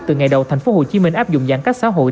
từ ngày đầu thành phố hồ chí minh áp dụng giãn cách xã hội